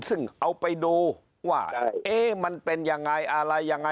ซึ่งเอาไปดูว่ามันเป็นยังไงอะไรยังไง